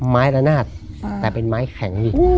ไม้ละนาดแต่เป็นไม้แข็งอีก